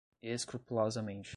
escrupulosamente